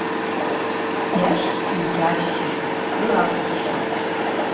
Иашьцәа иџьаршьеит, илакәыршьеит.